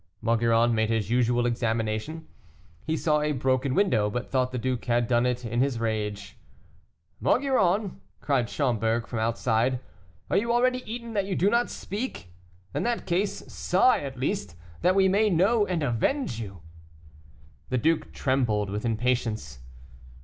Maugiron made his usual examination; he saw a broken window, but thought the duke had done it in his rage. "Maugiron!" cried Schomberg, from outside, "are you already eaten that you do not speak? In that case, sigh, at least, that we may know and avenge you." The duke trembled with impatience.